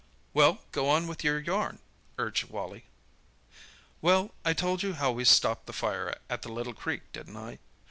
"Well, go on with your yarn," urged Wally. "Well—I told you how we stopped the fire at the little creek, didn't I?